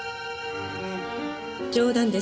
冗談ですよ